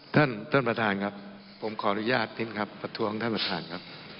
ท่านประธานครับผมขออนุญาตทิ้งครับประท้วงท่านประธานครับ